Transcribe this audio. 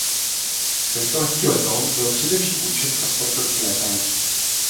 Tento lehký letoun byl především určen pro sportovní létání.